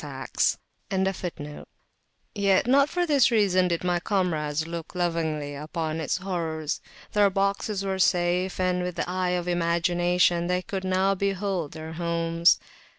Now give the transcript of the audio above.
[FN#12] Yet not for this reason did my comrades look lovingly upon its horrors: their boxes were safe and with the eye of imagination they could now behold their homes.